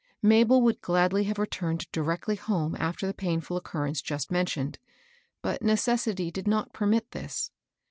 Mabel would gladly have returned directly home aft; er the painfiil occurrence just mentioned; but necessity did not permit this.